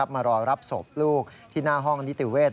มารอรับศพลูกที่หน้าห้องนิติเวศ